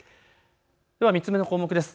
では３つ目の項目。